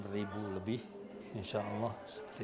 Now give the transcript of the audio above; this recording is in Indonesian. rp enam belas lebih insya allah